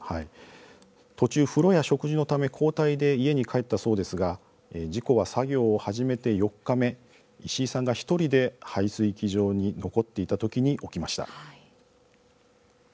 途中、風呂や食事のため交代で家に帰ったそうですが事故は作業を始めて４日目石井さんが１人で排水機場に残っていた時に起きました。